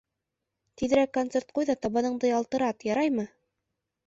Тиҙерәк концерт ҡуй ҙа табаныңды ялтырат, яраймы?